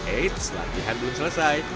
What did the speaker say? eits latihan belum selesai